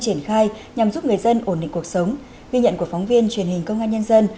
triển khai nhằm giúp người dân ổn định cuộc sống ghi nhận của phóng viên truyền hình công an nhân dân